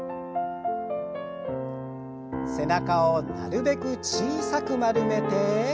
背中をなるべく小さく丸めて。